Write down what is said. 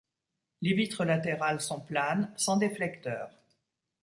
Les vitres latérales sont planes sans déflecteurs.